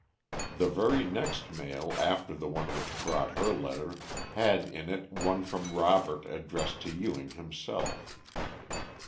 The very next mail after the one which brought her letter, had in it one from Robert addressed to Ewing himself.